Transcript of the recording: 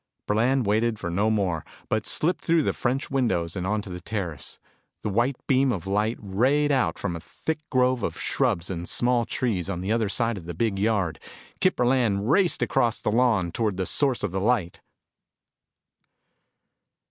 Burland waited for no more, but slipped through the French windows and onto the terrace. The white beam of light rayed out from a thick grove of shrubs and small trees on the other side of the big yard. Kip Burland raced across the lawn toward the source of the light.